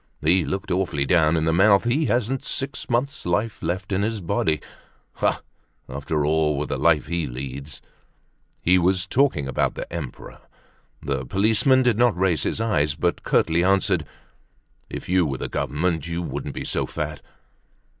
He looked awfully down in the mouth. He hasn't six months' life left in his body. Ah! after all, with the life he leads—" He was talking about the Emperor. The policeman did not raise his eyes, but curtly answered: "If you were the Government you wouldn't be so fat."